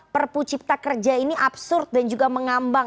perpu cipta kerja ini absurd dan juga mengambang